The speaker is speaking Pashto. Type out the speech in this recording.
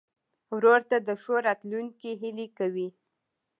ورور ته د ښو راتلونکو هیلې کوې.